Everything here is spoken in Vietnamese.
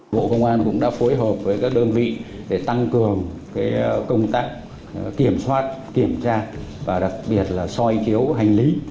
bộ công an cũng đã phối hợp với các đơn vị để tăng cường công tác kiểm soát kiểm tra và đặc biệt là soi chiếu hành lý